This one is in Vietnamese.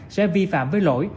sẽ vi phạm với lỗi